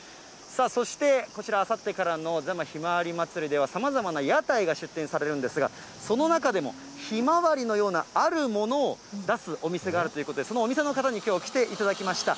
そしてこちら、あさってからの座間ひまわりまつりでは、さまざまな屋台が出展されるんですが、その中でも、ひまわりのようなあるものを出すお店があるということで、そのお店の方にきょう来ていただきました。